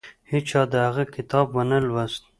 هیچا د هغه کتاب ونه لوست.